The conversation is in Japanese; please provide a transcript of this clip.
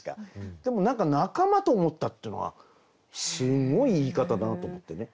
でも何か仲間と思ったっていうのがすごい言い方だなと思ってね。